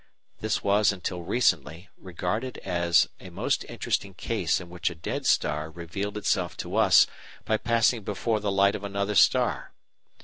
This was until recently regarded as a most interesting case in which a dead star revealed itself to us by passing before the light of another star.